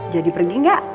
jadi pergi gak